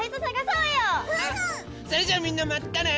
それじゃあみんなまたね！